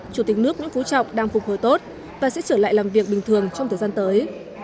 chủ tịch nước nguyễn phú trọng đang phục hồi tốt và sẽ trở lại làm việc bình thường trong thời gian tới